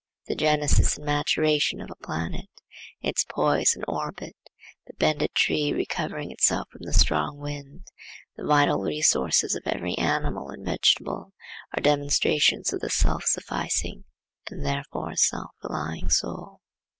The genesis and maturation of a planet, its poise and orbit, the bended tree recovering itself from the strong wind, the vital resources of every animal and vegetable, are demonstrations of the self sufficing and therefore self relying soul.